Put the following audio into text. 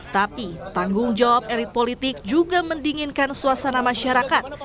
tapi tanggung jawab elit politik juga mendinginkan suasana masyarakat